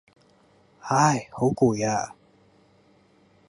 唉，好攰呀